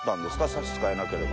差し支えなければ。